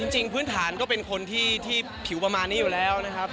พื้นฐานก็เป็นคนที่ผิวประมาณนี้อยู่แล้วนะครับ